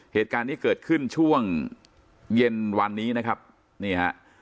เหตุการณ์นี้เกิดขึ้นช่วงเย็นวันนี้นะครับนี่ฮะ